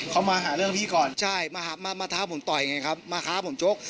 เขามาหาเรื่องพี่ก่อนใช่มาท้าผมต่อยไงครับมาท้าผมชก